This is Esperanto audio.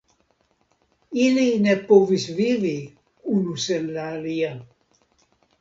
Ili ne povis vivi unu sen la alia.